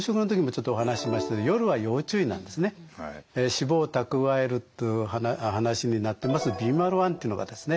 脂肪を蓄えるという話になってまずビーマル１というのがですね